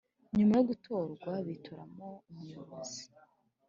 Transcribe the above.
Nyuma yo gutorwa bitoramo umuyobozi